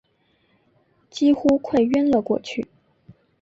几乎快晕了过去